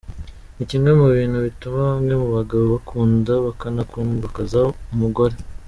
Ni kimwe mu bintu bituma bamwe mu bagabo bakunda bakanakundwakaza umugore.